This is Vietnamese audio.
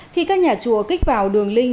khi các nhà chùa kích vào đường link